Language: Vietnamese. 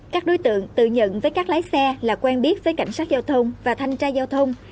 các đối tượng tự nhận với các lái xe là quen biết với cảnh sát giao thông và thanh tra giao thông